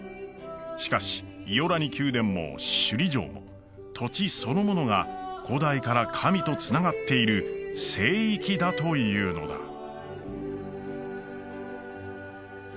しかしイオラニ宮殿も首里城も土地そのものが古代から神とつながっている聖域だというのだ